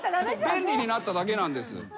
便利になっただけなんです。